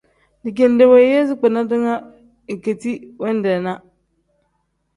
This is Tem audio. Dijinde wooyoozi kpina ringa ikendi wendeenaa.